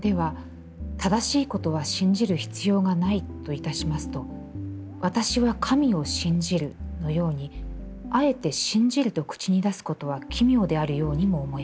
『正しいことは信じる必要がない』といたしますと『私は神を信じる』のように、あえて『信じる』と口に出すことは奇妙であるようにも思えます。